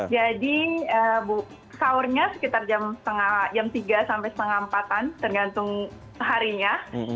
jadi sahurnya sekitar jam tiga sampai jam empat tergantung harinya